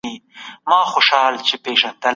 خپل ځان له ستونزو څخه لري ساتئ.